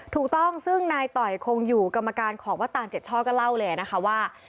ถูกต้องซึ่งนายต่อยคงอยู่กรรมการของวัดตานเจ็ดช่อก็เล่าเลยนะคะว่า